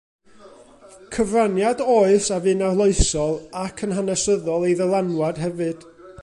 Cyfraniad oes a fu'n arloesol, ac yn hanesyddol ei ddylanwad hefyd.